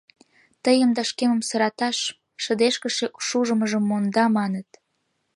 — Тыйым да шкемым сыраташ: шыдешкыше шужымыжым монда, маныт.